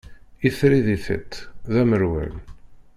Itri di tiṭ, d amerwal.